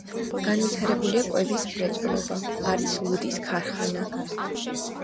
განვითარებულია კვების მრეწველობა, არის ლუდის ქარხანა.